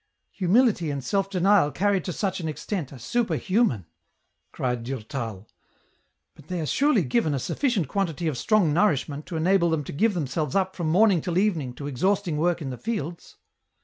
" Humility and self denial carried to such an extent are superhuman !" cried Durtal. " But they are surely given a sufficient quantity of strong nourishment to enable them to give themselves up from morning till evening to exhausting work in the fields